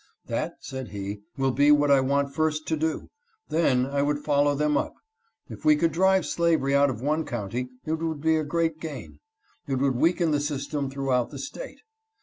" That," said he, " will be what I want first to do ; then I would follow them up. If we could drive slavery out of one county, it would be a great gain; it would weaken the system throughout the State."